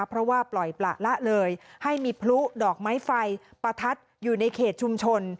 เพราะว่าปล่อยประละเลยให้มีพลุดอกไม้ไฟประทัดอยู่ในเขตชุมชน